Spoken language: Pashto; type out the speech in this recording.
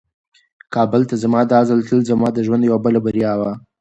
کابل ته زما دا ځل تلل زما د ژوند یوه بله بریا وه.